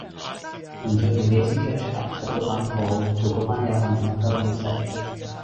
連續用幾次 captcha， 柒到反肚，做個班友係咪乜鳩都唔識